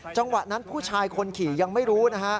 จังหวะนั้นผู้ชายคนขี่ยังไม่รู้นะฮะ